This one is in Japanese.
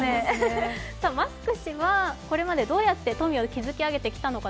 マスク氏はこれまでどうやって富を築き上げてきたのか。